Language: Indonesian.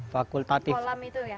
fakultatif kolam itu ya